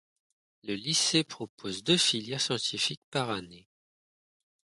Le lycée propose deux filières scientifiques par année.